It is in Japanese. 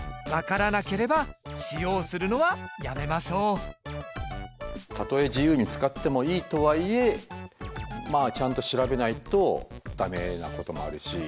その上でたとえ自由に使ってもいいとはいえまあちゃんと調べないと駄目なこともあるし。